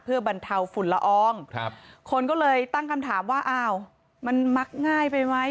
เพื่อบรรเทาฝุ่นละอองคนก็เลยตั้งคำถามว่าอ้าวมันมักง่ายไปไหม